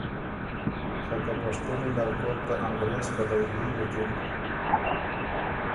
خه که پشتُونی نر کوک ته انګرېز پلؤګري بُکِن